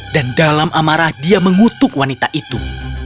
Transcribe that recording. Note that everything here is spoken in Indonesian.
dan dalam amarah dia mengutuk wanita itu